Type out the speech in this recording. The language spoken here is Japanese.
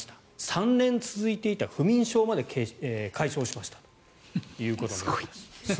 ３年続いていた不眠症まで解消しましたということです。